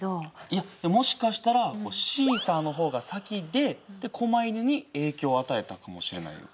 いやもしかしたらシーサーの方が先で狛犬に影響を与えたかもしれないよ。